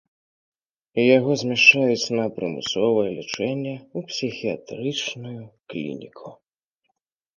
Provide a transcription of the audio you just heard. Яго змяшчаюць на прымусовае лячэнне ў псіхіятрычную клініку.